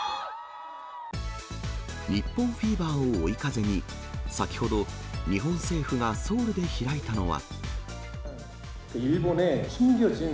日本フィーバーを追い風に、先ほど、日本政府がソウルで開いたのは。